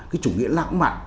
cái chủ nghĩa lãng mạn